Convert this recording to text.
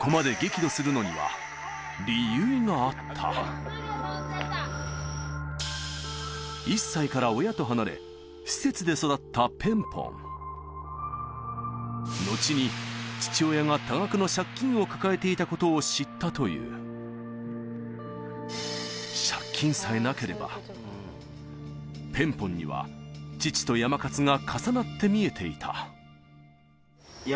ここまで１歳から親と離れ施設で育ったペンポン後に父親が多額の借金を抱えていたことを知ったというペンポンには父とやまかつが重なって見えていた